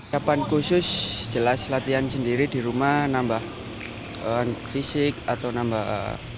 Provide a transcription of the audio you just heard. kapan khusus jelas latihan sendiri di rumah nambah fisik atau nambah